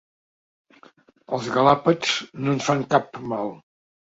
Els galàpets no ens fan cap mal.